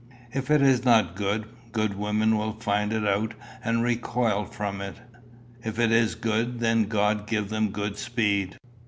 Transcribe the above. If it is not good, good women will find it out and recoil from it. If it is good then God give them good speed.